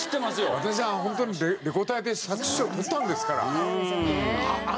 私はホントにレコ大で作詞賞取ったんですから。